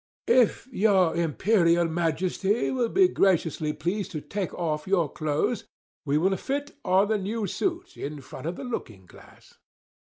"If your Imperial Majesty will be graciously pleased to take off your clothes, we will fit on the new suit, in front of the looking glass."